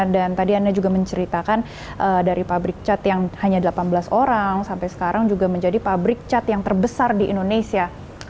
dan tadi anda juga menceritakan dari pabrik cat yang hanya delapan belas orang sampai sekarang juga menjadi pabrik cat yang terbesar di indonesia